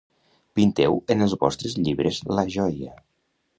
Pinteu en els vostres llibres la joia